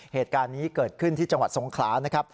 เหตุการณ์นี้เกิดขึ้นที่จังหวัดสงขลานะครับ